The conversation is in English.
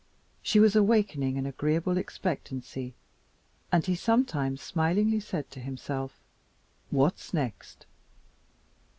She was awakening an agreeable expectancy, and he sometimes smilingly said to himself, "What's next?"